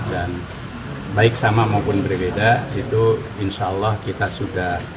dan baik sama maupun berbeda itu insya allah kita sudah